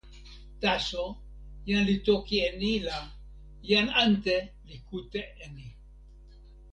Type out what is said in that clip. taso, jan li toki e ni la, jan ante li kute e ni.